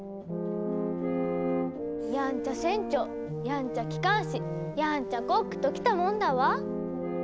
やんちゃ船長やんちゃ機関士やんちゃコックときたもんだわ。